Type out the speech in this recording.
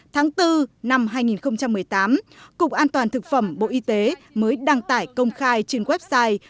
tháng bốn năm hai nghìn một mươi tám cục an toàn thực phẩm bộ y tế mới đăng tải công khai trên website